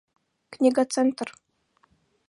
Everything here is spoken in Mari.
Книгоцентр».